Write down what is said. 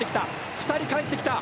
２人帰ってきた。